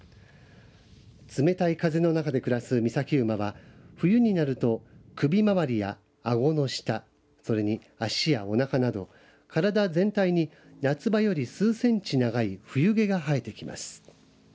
冷たい風の中で暮らす岬馬は冬になると首周りやあごの下それに、脚やおなかなど体全体に夏場より数センチ長い冬毛が生えてきます。